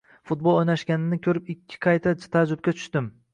Futbol o‘ynashayotganini ko‘rib ikki qayta taajjubga tushdim.